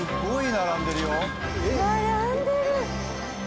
並んでる！